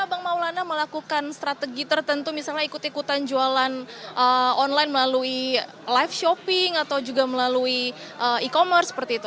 bang maulana melakukan strategi tertentu misalnya ikut ikutan jualan online melalui live shopping atau juga melalui e commerce seperti itu